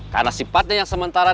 karena sifatnya yang sementara